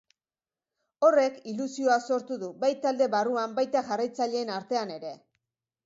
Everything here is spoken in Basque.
Horrek ilusioa sortu du, bai talde barruan baita jarraitzaileen artean ere.